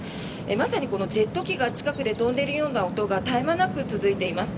まさにジェット機が近くで飛んでいるような音が絶え間なく続いています。